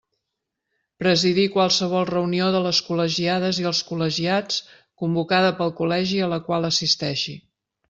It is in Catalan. Presidir qualsevol reunió de les col·legiades i els col·legiats convocada pel Col·legi a la qual assisteixi.